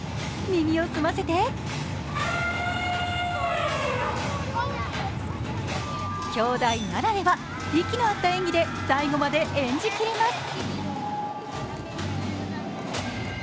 耳をすませてきょうだいならでは、息の合った演技で最後まで演じきります。